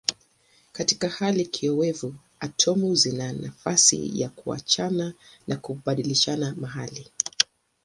Katika hali kiowevu atomu zina nafasi ya kuachana na kubadilishana mahali.